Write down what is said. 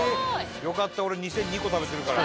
よかった俺２００２個食べてるから。